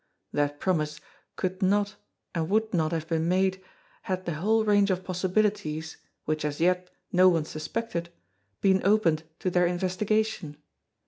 That promise could not and would not have been made had the whole range of possibilities, which as yet no one suspected, been opened to their investigation.